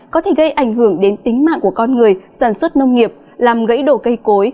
có thể gây ảnh hưởng đến tính mạng của con người sản xuất nông nghiệp làm gãy đổ cây cối